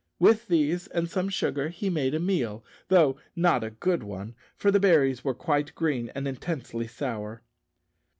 With these and some sugar he made a meal, though not a good one, for the berries were quite green and intensely sour.